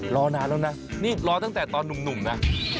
รอนานแล้วนะนี่รอตั้งแต่ตอนหนุ่มนะ